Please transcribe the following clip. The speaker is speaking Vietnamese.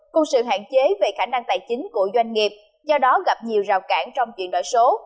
cùng sự hạn chế về khả năng tài chính của doanh nghiệp do đó gặp nhiều rào cản trong chuyển đổi số